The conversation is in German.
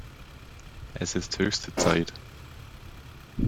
Es ist höchste Zeit.